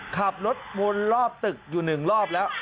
ขับรถวนรอบตึกอยู่๑รอบแล้ว